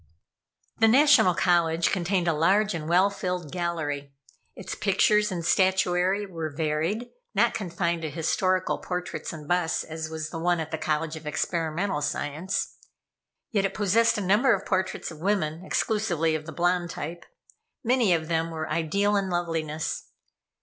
The National College contained a large and well filled gallery. Its pictures and statuary were varied, not confined to historical portraits and busts as was the one at the College of Experimental Science. Yet it possessed a number of portraits of women exclusively of the blonde type. Many of them were ideal in loveliness.